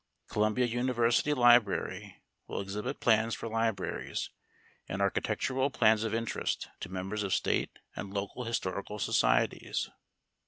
Columbia University Library will exhibit plans for libraries, and architectural plans of interest to members of State and local historical societies.